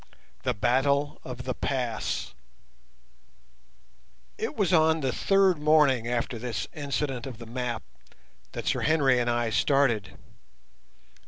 THE BATTLE OF THE PASS It was on the third morning after this incident of the map that Sir Henry and I started.